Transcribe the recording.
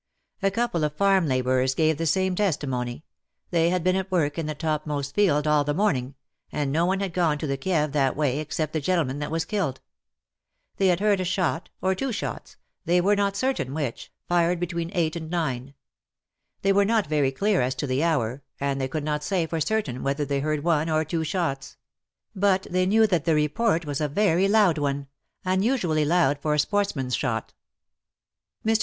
A couple of farm labourers gave the same testimony — they had been at work in the topmost field all the morning, and no one had gone to the Kieve that way except the gentleman that was killed. They had heard a ^^ DUST TO DUST." 61 shot — or two shots — they were not certain which, fired between eight and nine. They were not very clear as to the hour, and they could not say for certain whether they heard one or two shots ; but they knew that the report was a very loud one — unusually loud for a sportsman^s shot. Mr.